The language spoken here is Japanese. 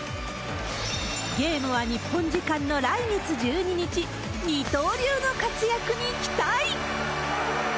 ゲームは日本時間の来月１２日、二刀流の活躍に期待！